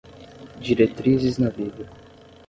Diretrizes na vida